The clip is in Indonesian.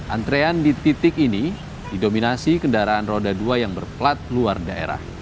antrean di titik ini didominasi kendaraan roda dua yang berplat luar daerah